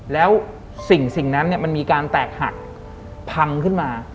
แล้วสิ่งนั้นมันมีการแตกหักพังขึ้นมา